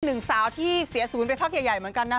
หนึ่งสาวที่เสียศูนย์ไปพักใหญ่เหมือนกันนะ